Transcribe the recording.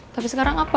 tapi sekarang apa